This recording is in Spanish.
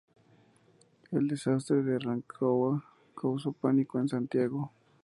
El desastre de Rancagua causó pánico en Santiago.